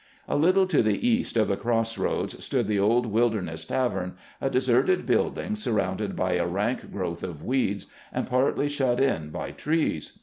A little to the east of the cross roads stood the old WUderness tavern, a deserted building surrounded by a rank growth of weeds, and partly shut in by trees.